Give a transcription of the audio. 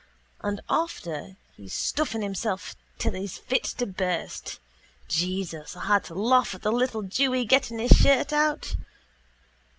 _ And he after stuffing himself till he's fit to burst. Jesus, I had to laugh at the little jewy getting his shirt out.